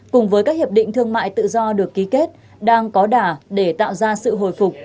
cùng với các hiệp định thương mại tự do được ký kết đang có đả để tạo ra sự hồi phục